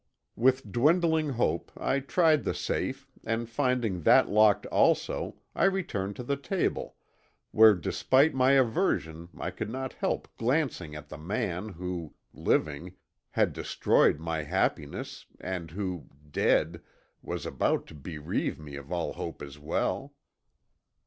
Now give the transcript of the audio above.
With dwindling hope I tried the safe and finding that locked also, I returned to the table, where despite my aversion I could not help glancing at the man who, living, had destroyed my happiness and who, dead, was about to bereave me of all hope as well.